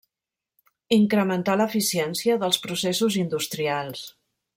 Incrementar l'eficiència dels processos industrials.